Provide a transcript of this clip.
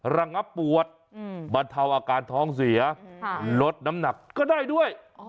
ระงับปวดบรรเทาอาการท้องเสียลดน้ำหนักก็ได้ด้วย